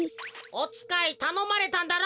おつかいたのまれたんだろ？